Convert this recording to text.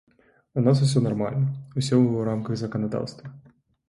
У нас усё нармальна, усё ў рамках заканадаўства.